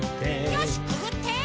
よしくぐって！